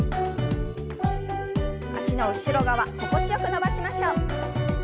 脚の後ろ側心地よく伸ばしましょう。